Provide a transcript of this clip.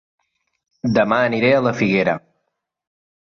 Dema aniré a La Figuera